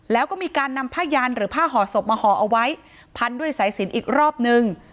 แล้วก็มีการนำผ้ายันหรือผ้าห่อศพมาห่อเอาไว้พันด้วยสายสินอีกรอบนึง